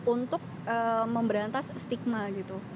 untuk memberantas stigma gitu